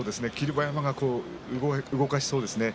馬山が動かしそうですね。